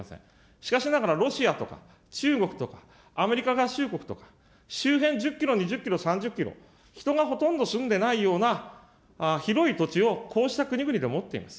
しかしながら、ロシアとか中国とか、アメリカ合衆国とか、周辺１０キロ、２０キロ、３０キロ、人がほとんど住んでいないような広い土地をこうした国々で持っています。